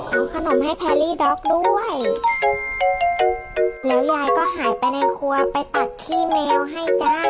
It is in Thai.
เอาขนมให้แพรรี่ด๊อกด้วยแล้วยายก็หายไปในครัวไปตัดขี้แมวให้จ้า